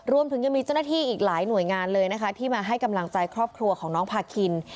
รวมถึงยังมีเจ้าหน้าที่อีกหลายหน่วยงานเลยนะคะที่มาให้กำลังใจครอบครัวของน้องพาคิน